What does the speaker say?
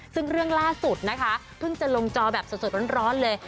ซึ่งเรื่องล่าสุดนะคะเพิ่งจะลงจอแบบสดร้อนเลย